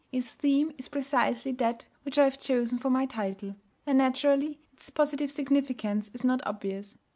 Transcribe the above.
Its theme is precisely that which I have chosen for my title; and naturally its positive significance is not obvious.